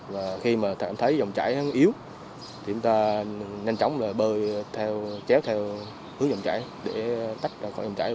và khi mà thấy vòng chải yếu thì chúng ta nhanh chóng bơi chéo theo hướng vòng chải để tách ra khỏi vòng chải